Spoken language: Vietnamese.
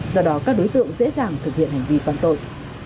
do đó các đối tượng dễ dàng thực hiện hành vi phạm tội